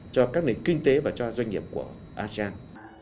cho các nền kinh tế và cho doanh nghiệp của asean